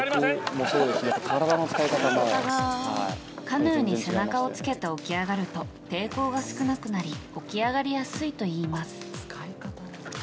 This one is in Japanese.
カヌーに背中をつけて起き上がると抵抗が少なくなり起き上がりやすいといいます。